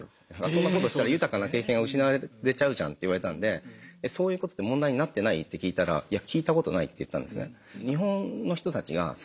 そんなことしたら豊かな経験が失われちゃうじゃん」って言われたんで「そういうことって問題になってない？」って聞いたら「いや聞いたことない」って言ったんですね。